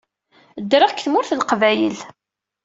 Ddreɣ deg Tmurt n Leqbayel.